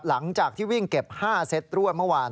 หลังจากที่วิ่งเก็บ๕เซตรั่วเมื่อวาน